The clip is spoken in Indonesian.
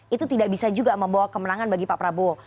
itu tidak bisa juga membawa kemenangan bagi pak prabowo